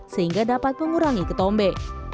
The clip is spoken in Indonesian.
sehingga dapat mengurangi ketombe